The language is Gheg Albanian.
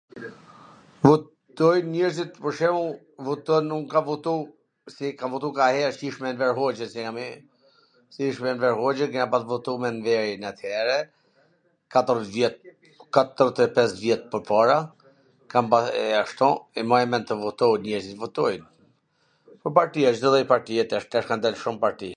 votojn njerzit pwr shembull, voton, un kam votu se kam votu ngahera qysh me Enver Hoxhwn, se jam i, qysh me Enver Hoxhwn kena pas votu me Enverin athere, katwrdhet vjet, katwrdhet e pes vjet pwrpara, kam pa e ashtu, i maj mend tw votojn njerzit, votojn, pwr partia, Cdo lloj partie tash, tash kan dal shum parti